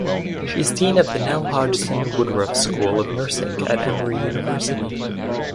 She is dean of the Nell Hodgson Woodruff School of Nursing at Emory University.